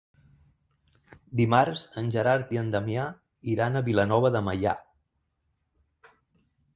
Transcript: Dimarts en Gerard i en Damià iran a Vilanova de Meià.